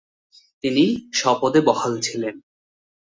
তিনি স্বপদে বহাল ছিলেন।